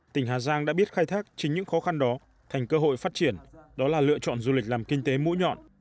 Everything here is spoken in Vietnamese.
tỉnh hà giang đã biết khai thác chính những khó khăn đó thành cơ hội phát triển đó là lựa chọn du lịch làm kinh tế mũi nhọn